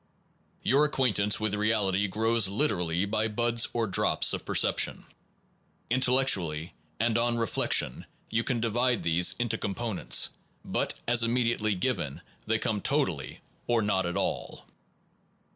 Your acquaint ance with reality grows literally by buds or drops of perception. Intellectually and on re flection you can divide these into components, but as immediately given, they come totally or not at all.